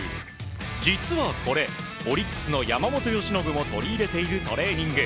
実はこれ、オリックスの山本由伸も取り入れているトレーニング。